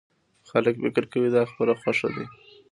خلک فکر کوي دا خپله خوښه ده.